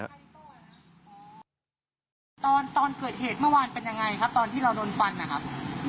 ตอนตอนเกิดเหตุเมื่อวานเป็นยังไงครับตอนที่เราโดนฟันนะครับ